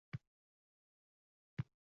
Siz juda uzoqda – mening yonimda